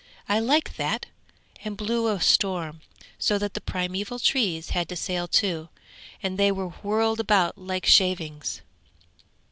I liked that and blew a storm, so that the primæval trees had to sail too, and they were whirled about like shavings.'